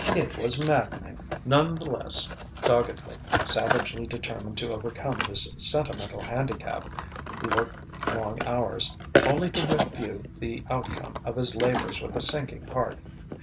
It was maddening. None the less, doggedly, savagely determined to overcome this sentimental handicap, he worked long hours: only to review the outcome of his labours with a sinking heart.